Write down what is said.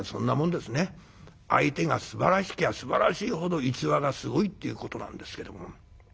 相手がすばらしきゃすばらしいほど逸話がすごいっていうことなんですけども。